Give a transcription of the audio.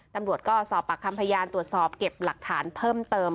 ตำรวจก็สอบปากคำพยานตรวจสอบเก็บหลักฐานเพิ่มเติม